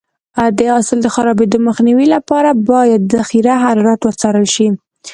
د حاصل د خرابېدو مخنیوي لپاره باید د ذخیره حرارت وڅارل شي.